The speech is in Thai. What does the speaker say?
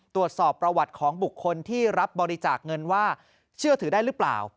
ตรวจสอบประวัติของบุคคลที่รับบริจาคเงินว่าเชื่อถือได้หรือเปล่า